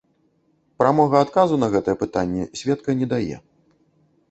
Прамога адказу на гэтае пытанне сведка не дае.